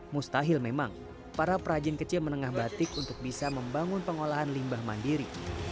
mustahil memang para perajin kecil menengah batik untuk bisa membangun pengolahan limbah mandiri